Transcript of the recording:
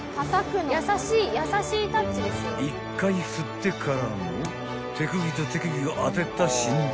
［１回振ってからの手首と手首を当てた振動］